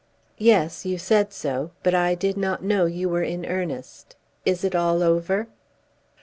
"Yes; you said so. But I did not know you were earnest. Is it all over?"